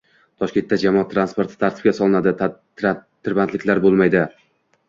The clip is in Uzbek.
Toshkentda jamoat transporti tartibga solinadi, tirbandliklar bo‘lmaydi